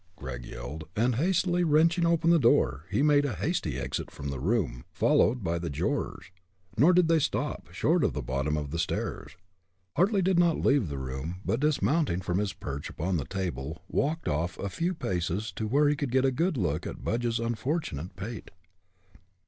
Gregg yelled, and hastily wrenching open the door, he made a hasty exit from the room, followed by the jurors nor did they stop, short of the bottom of the stairs. Hartly did not leave the room, but dismounting from his perch upon the table, walked off a few paces to where he could get a good look at Budge's unfortunate pate.